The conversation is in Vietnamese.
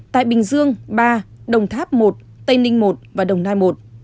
tại bình dương ba đồng tháp một tây ninh một và đồng nai một